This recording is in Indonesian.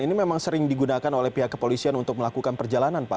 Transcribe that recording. ini memang sering digunakan oleh pihak kepolisian untuk melakukan perjalanan pak